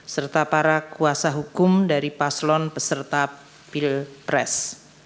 serta para kuasa hukum dari paslon peserta pilpres